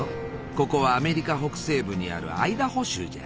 ここはアメリカ北西部にあるアイダホ州じゃ。